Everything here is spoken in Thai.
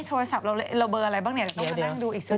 โทรศัพท์ระเบอร์อะไรบ้างต้องกระนั่งดูอีกสักดี